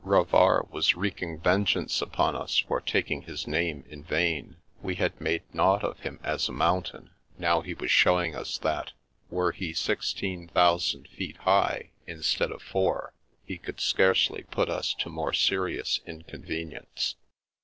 Re vard was wreaking vengeance upon us for taking his name in vain. We had made naught of him as a mountain ; now he was showing us that, were he sixteen thousand feet high instead of four, he could scarcely put us to more serious inconvenience.